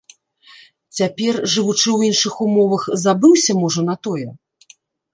Цяпер, жывучы ў іншых умовах, забыўся, можа, на тое?